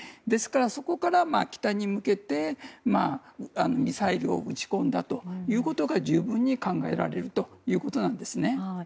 ですから、そこから北に向けてミサイルを撃ち込んだということが十分に考えられるということなんですね。